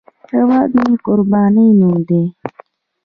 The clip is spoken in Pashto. هیواد مې د قربانۍ نوم دی